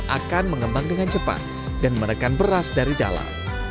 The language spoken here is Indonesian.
akan mengembang dengan cepat dan menekan beras dari dalam